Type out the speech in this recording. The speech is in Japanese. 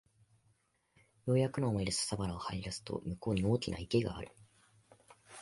ようやくの思いで笹原を這い出すと向こうに大きな池がある